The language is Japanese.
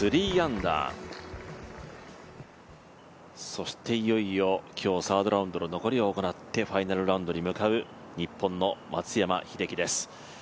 そしていよいよ今日、サードラウンドの残りを行ってファイナルラウンドに向かう日本の松山英樹です。